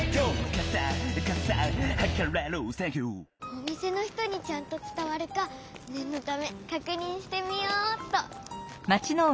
おみせの人にちゃんとつたわるかねんのためかくにんしてみようっと。